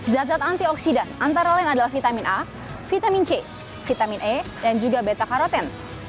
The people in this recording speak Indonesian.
zat zat antioksidan antara lain adalah vitamin a vitamin c vitamin e dan juga beta karoten